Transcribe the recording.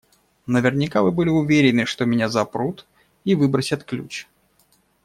Наверняка вы были уверены, что меня запрут и выбросят ключ.